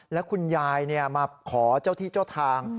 แล้วคุณยายมาขอเจ้าที่เจ้าทาง